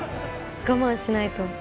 我慢しないと。